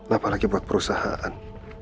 apalagi buat perusahaan